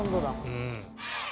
うん。